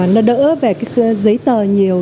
nó đỡ về cái giấy tờ nhiều